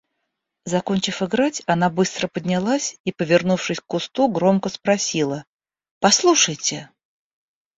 Закончив играть, она быстро поднялась и, повернувшись к кусту, громко спросила: – Послушайте!